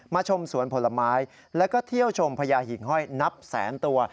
ชมสวนผลไม้แล้วก็เที่ยวชมพญาหิ่งห้อยนับแสนตัว